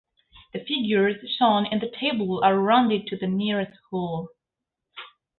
The figures shown in the table are rounded to the nearest whole.